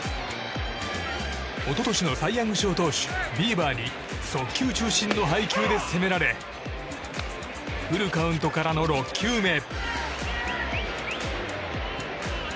一昨年のサイ・ヤング賞投手ビーバーに速球中心の配球で攻められフルカウントからの６球目。